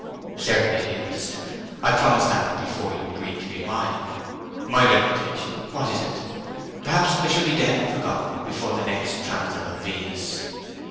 'Certainly, dearest. I promised that before you agreed to be mine. My reputation what is it! Perhaps I shall be dead and forgotten before the next transit of Venus!'